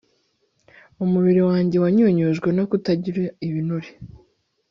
umubiri wanjye wanyunyujwe no kutagira ibinure